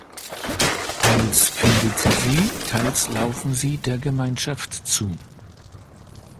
Teils findet sie sie, teils laufen sie der Gemeinschaft zu.